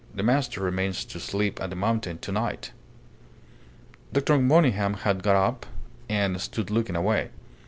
The master remains to sleep at the mountain to night." Dr. Monygham had got up and stood looking away.